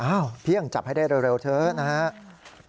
อ้าวเพี่ยงจับให้ได้เร็วเถิดนะครับ